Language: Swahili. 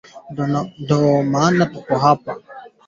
Mivutano imetanda tangu bunge